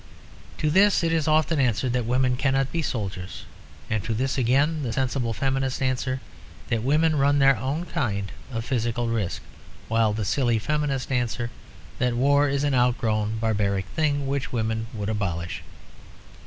To this it is often answered that women cannot be soldiers; and to this again the sensible feminists answer that women run their own kind of physical risk, while the silly feminists answer that war is an outworn barbaric thing which women would abolish.